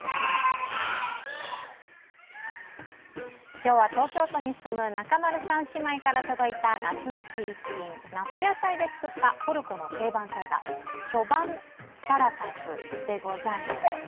今日は東京都に住む仲丸さん姉妹から届いた夏メシ一品、夏野菜で作ったトルコの定番サラダチョバン・サラタスでございます。